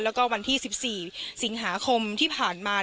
แล้วก็วันที่๑๔สิงหาคมที่ผ่านมา